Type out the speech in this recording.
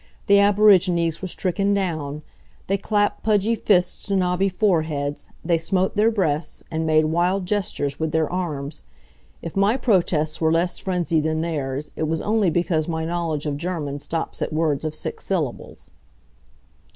The aborigines were stricken down. They clapped pudgy fists to knobby foreheads; they smote their breasts, and made wild gestures with their arms. If my protests were less frenzied than theirs, it was only because my knowledge of German stops at words of six syllables.